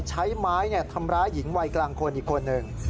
ใช้ไม้ทำร้ายหญิงวัยกลางคนอีกคนหนึ่ง